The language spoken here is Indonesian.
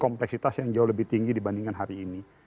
kompleksitas yang jauh lebih tinggi dibandingkan hari ini